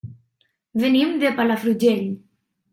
Venim de Palafrugell.